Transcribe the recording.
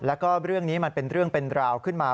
แล้วก็เรื่องนี้มันเป็นเรื่องเป็นราวขึ้นมา